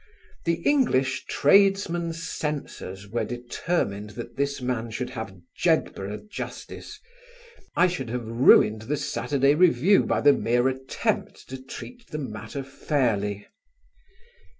The English tradesman censors were determined that this man should have Jedburg justice. I should have ruined the Saturday Review by the mere attempt to treat the matter fairly.